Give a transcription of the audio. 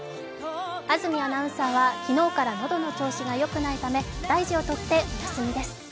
安住アナウンサーは昨日から喉の調子が良くないため大事をとってお休みです。